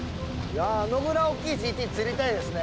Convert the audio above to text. あのぐらいおっきいＧＴ釣りたいですね。